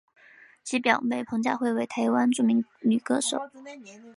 其表妹彭佳慧为台湾著名女歌手。